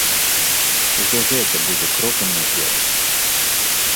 Ужо гэта будзе крокам наперад.